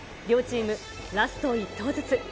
両チーム、ラスト１投ずつ。